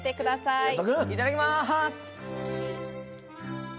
いただきます。